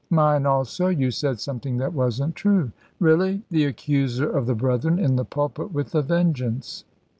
"Mine also. You said something that wasn't true." "Really? The Accuser of the Brethren in the pulpit with a vengeance!"